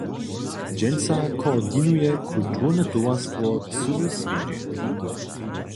Dźensa koordinuje kulturne towarstwo cyły swjedźeń.